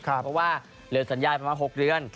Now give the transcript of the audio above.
เพราะว่าเหลือสัญญาประมาณ๖เดือน